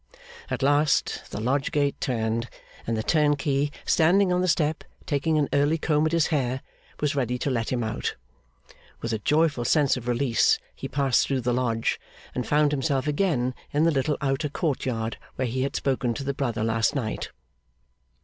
At last the lodge gate turned, and the turnkey, standing on the step, taking an early comb at his hair, was ready to let him out. With a joyful sense of release he passed through the lodge, and found himself again in the little outer court yard where he had spoken to the brother last night.